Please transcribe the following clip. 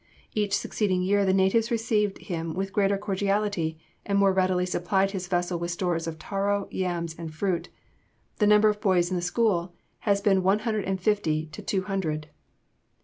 Each succeeding year the natives received him with greater cordiality, and more readily supplied his vessel with stores of taro, yams, and fruit. The number of boys in the school has been one hundred and fifty to two hundred.